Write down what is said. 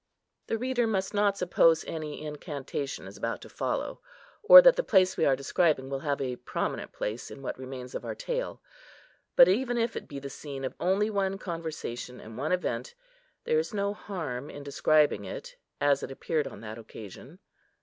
The reader must not suppose any incantation is about to follow, or that the place we are describing will have a prominent place in what remains of our tale; but even if it be the scene of only one conversation, and one event, there is no harm in describing it, as it appeared on that occasion.